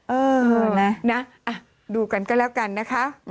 เออนะดูกันก็แล้วกันนะคะ